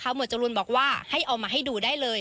ครูปรีชาแล้วมันเลยบอกว่าให้เอามาให้ดูได้เลย